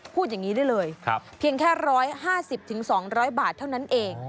พูดอย่างนี้ได้เลยเพียงแค่๑๕๐๒๐๐บาทเท่านั้นเอง